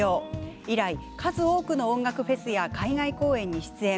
以来、数多くの音楽フェスや海外公演に出演。